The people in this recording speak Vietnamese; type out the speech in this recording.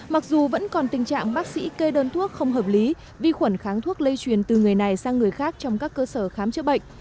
mặc dù vẫn còn tình trạng bác sĩ kê đơn thuốc không hợp lý vi khuẩn kháng thuốc lây truyền từ người này sang người khác trong các cơ sở khám chữa bệnh